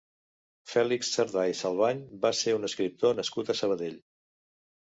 Fèlix Sardà i Salvany va ser un escriptor nascut a Sabadell.